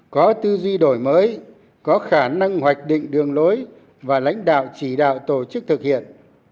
có tư duy đổi mới có khả năng hoạch định đường lối và lãnh đạo chỉ đạo tổ chức thực hiện